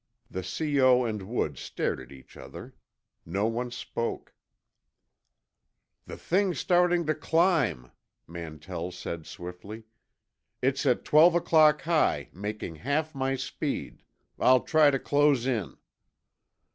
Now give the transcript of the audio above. The C.O. and Woods stared at each other. No one spoke. "The thing's starting to climb," Mantell said swiftly. "It's at twelve o'clock high, making half my speed. I'll try to close in."